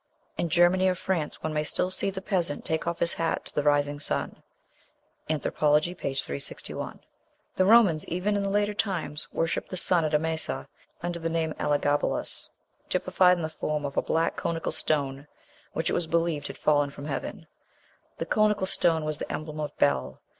"In Germany or France one may still see the peasant take off his hat to the rising sun." ("Anthropology," p. 361.) The Romans, even, in later times, worshipped the sun at Emesa, under the name of Elagabalus, "typified in the form of a black conical stone, which it was believed had fallen from heaven." The conical stone was the emblem of Bel.